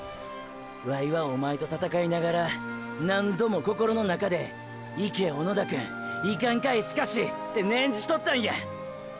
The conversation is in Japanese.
ワイはおまえと闘いながら何度も心の中で「行け小野田くん」「行かんかいスカシ」って念じとったんや！！